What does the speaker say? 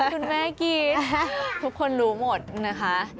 คุณแม่กรี๊ดทุกคนรู้หมดนะคะ